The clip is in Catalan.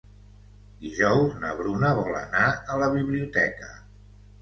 Dijous na Bruna vol anar a la biblioteca.